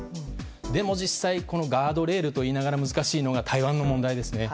でも、実際ガードレールと言いながら難しいのが、台湾の問題ですね。